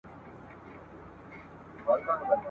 پر مزلونو د کرې ورځي پښېمان سو ..